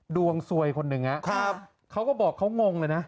ดวงสวยคนหนึ่งเขาก็บอกเขางงเลยนะ